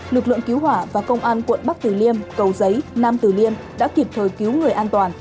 lực lượng cứu hỏa và công an quận bắc tử liêm cầu giấy nam tử liêm đã kịp thời cứu người an toàn